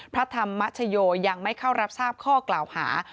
พระธรรมชโยยังไม่เข้ารับทราบข้อกล่าวหา